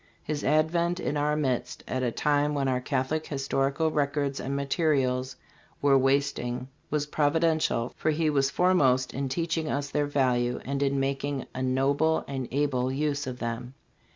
His advent in our midst at a time when our Catholic historical records and materials were wasting was providential, for he was foremost in teaching us their value and in mak ing a noble and able use of them.